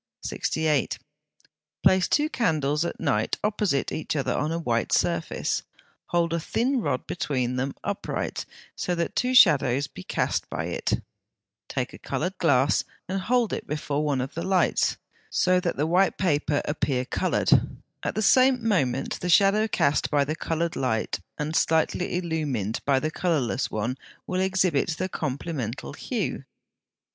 68. Place two candles at night opposite each other on a white surface; hold a thin rod between them upright, so that two shadows be cast by it; take a coloured glass and hold it before one of the lights, so that the white paper appear coloured; at the same moment the shadow cast by the coloured light and slightly illumined by the colourless one will exhibit the complemental hue.